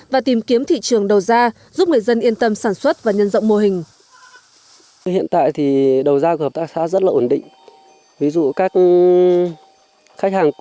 và tìm kiếm thị trường đầu ra giúp người dân yên tâm sản xuất và nhân rộng mô hình